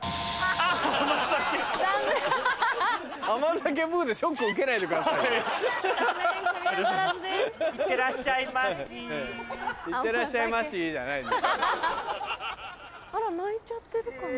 あら泣いちゃってるかな？